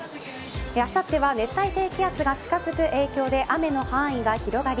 あさっては熱帯低気圧が近づく影響で雨の範囲が広がり